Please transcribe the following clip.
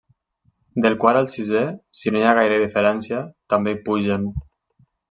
Del quart al sisè, si no hi ha gaire diferència, també hi pugen.